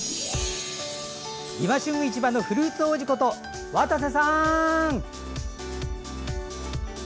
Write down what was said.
「いま旬市場」のフルーツ王子こと渡瀬さん！